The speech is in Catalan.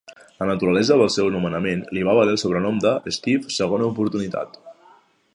La naturalesa del seu nomenament li va valer el sobrenom de "Steve segona oportunitat".